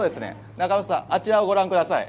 中丸さん、あちらをご覧ください。